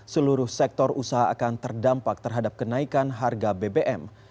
seluruh sektor usaha akan terdampak terhadap kenaikan harga bbm